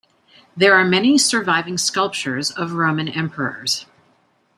There are many surviving sculptures of Roman emperors.